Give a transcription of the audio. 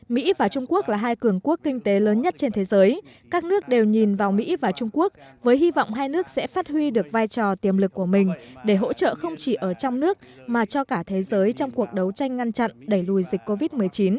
mỹ và trung quốc là hai cường quốc kinh tế lớn nhất trên thế giới các nước đều nhìn vào mỹ và trung quốc với hy vọng hai nước sẽ phát huy được vai trò tiềm lực của mình để hỗ trợ không chỉ ở trong nước mà cho cả thế giới trong cuộc đấu tranh ngăn chặn đẩy lùi dịch covid một mươi chín